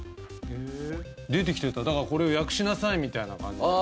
出てきてただから「これ訳しなさい」みたいな感じでああ